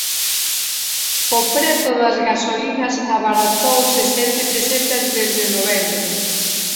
O prezo das gasolinas abaratouse sete pesetas desde novembro